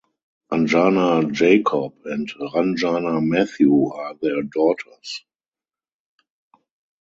Anjana Jacob and Ranjana Mathew are their daughters.